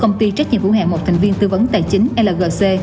của công ty trách nhiệm hữu hạn một thành viên tư vấn tài chính lgc